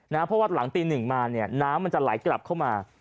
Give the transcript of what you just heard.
เพราะว่าหลังตีหนึ่งมาเนี่ยน้ำมันจะไหลกลับเข้ามา